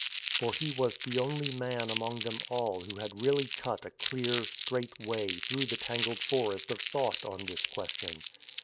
For he was the only man among them all who had really cut a clear, straight way through the tangled forest of thought on this question.